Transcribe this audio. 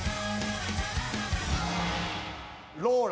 ローラ。